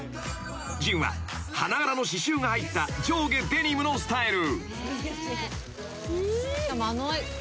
［ＪＩＮは花柄の刺しゅうが入った上下デニムのスタイル］